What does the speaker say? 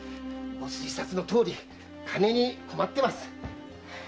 ご推察のとおり金に困ってます。